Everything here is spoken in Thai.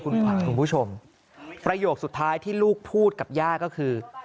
คุณขวัญคุณผู้ชมประโยคสุดท้ายที่ลูกพูดกับย่าก็คือ